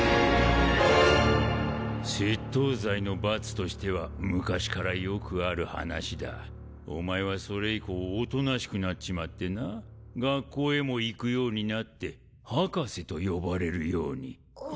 窃盗罪の罰としては昔からよくある話だ。お前はそれ以降おとなしくなっちまってな学校へも行くようになって博士と呼ばれるように。